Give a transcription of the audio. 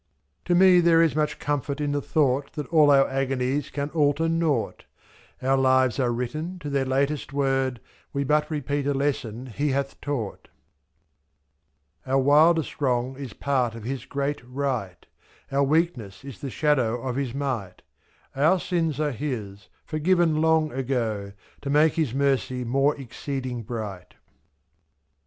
To me there is much comfort in the thought That all our agonies can alter nought, ^^.Our lives are written to their latest word. We but repeat a lesson He hath taught. Our wildest wrong is part of His great Right, Our weakness is the shadow of His might, 7^« Our sins are His, forgiven long ago. To make His mercy more exceeding bright.